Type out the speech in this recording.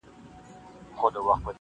د قاضي مخي ته ټول حاضرېدله-